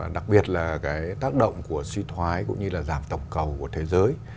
đặc biệt là cái tác động của suy thoái cũng như là giảm tổng cầu của thế giới